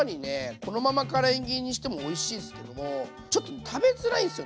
このままから揚げにしてもおいしいんすけどもちょっと食べづらいんですよ。